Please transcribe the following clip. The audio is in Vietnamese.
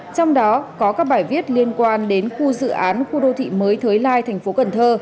trong đó có các bài viết liên quan đến khu dự án khu đô thị mới thới lai tp cn